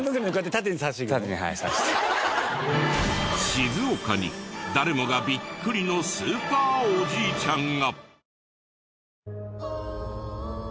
静岡に誰もがビックリのスーパーおじいちゃんが。